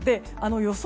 予想